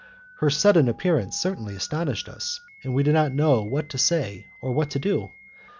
Her sudden appearance certainly astonished us, and we did not know what to say or what to do.